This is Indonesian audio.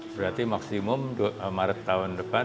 berarti maksimum maret tahun depan